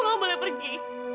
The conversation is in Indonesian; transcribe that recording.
emak boleh pergi